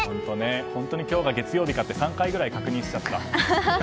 本当に今日が月曜日かって３回ぐらい確認しちゃった。